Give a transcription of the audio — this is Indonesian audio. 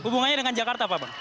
hubungannya dengan jakarta apa bang